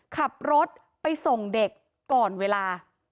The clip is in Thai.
ขับรถไปส่งเด็กก่อนเวลา